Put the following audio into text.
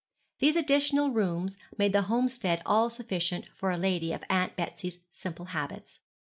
These additional rooms made the homestead all sufficient for a lady of Aunt Betsy's simple habits.